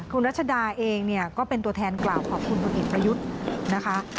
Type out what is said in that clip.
คุณรัชดาเองก็เป็นตัวแทนกล่าวพระคุณคนเอกมรยุจนะคะ